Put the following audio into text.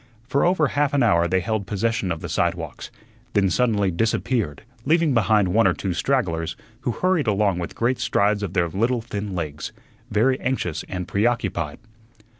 For over half an hour they held possession of the sidewalks, then suddenly disappeared, leaving behind one or two stragglers who hurried along with great strides of their little thin legs, very anxious and preoccupied.